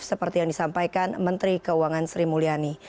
seperti yang disampaikan menteri keuangan sri mulyani